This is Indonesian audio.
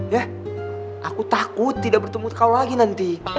ya aku takut tidak bertemu kau lagi nanti